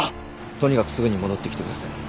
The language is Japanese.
とにかくすぐに戻ってきてください。